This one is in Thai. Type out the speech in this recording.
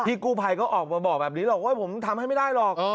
กู้ภัยก็ออกมาบอกแบบนี้หรอกว่าผมทำให้ไม่ได้หรอก